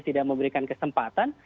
tidak memberikan kesempatan